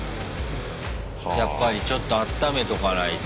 やっぱりちょっとあっためとかないと。